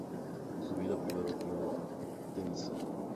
Su vida privada fue intensa.